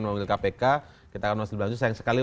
memanggil kpk kita akan masih berlangsung sayang sekali